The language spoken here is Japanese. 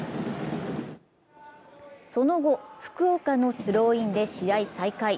その後、福岡のスローインで試合再開。